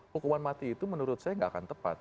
hukuman mati itu menurut saya tidak akan tepat